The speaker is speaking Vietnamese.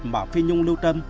mà phi nhung lưu tâm